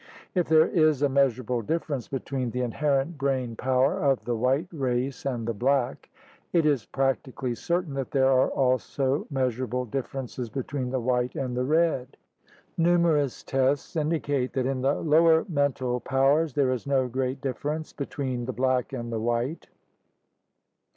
If there is a measurable difference between the inherent brain power of the white race and the black, it is prac tically certain that there are also measurable differences between the white and the red. Numerous tests indicate that in the lower mental powers there is no great difference between the black and the white.